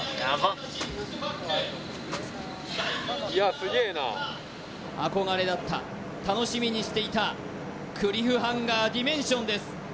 すげえな憧れだった楽しみにしていたクリフハンガーディメンションです